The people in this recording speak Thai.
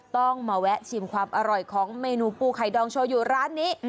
ต้องมาแวะชิมความอร่อยของเมนูปูไข่ดองโชว์อยู่ร้านนี้